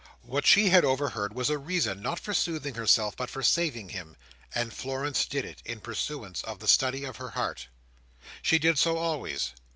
What she had overheard was a reason, not for soothing herself, but for saving him; and Florence did it, in pursuance of the study of her heart. She did so always.